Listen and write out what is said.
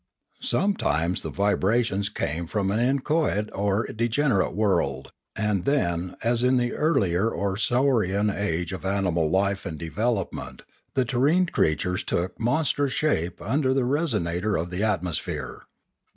Sometimes the vibrations came from an in choate or a degenerate world ; and then, as in the earlier or saurian stage of animal life and development, the terrene creatures took monstrous shape under the re sonator of the atmosphere.